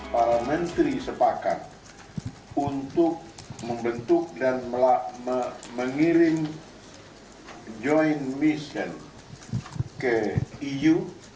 para menteri sepakat untuk membentuk dan mengirim joint mission ke eu